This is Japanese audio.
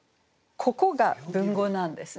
ここが文語なんですね。